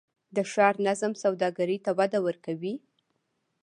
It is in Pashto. د ښار نظم سوداګرۍ ته وده ورکوي؟